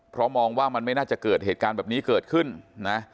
เพราะมองว่ามันไม่น่าจะเกิดเหตุการณ์แบบนี้เกิดขึ้นนะ